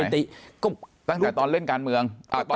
ติก็ตั้งแต่ตอนเล่นการเมือง